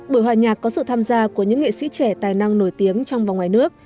buổi hòa nhạc có sự tham gia của những nghệ sĩ trẻ tài năng nổi tiếng trong và ngoài nước